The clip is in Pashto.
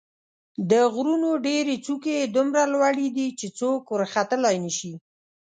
د غرونو ډېرې څوکې یې دومره لوړې دي چې څوک ورختلای نه شي.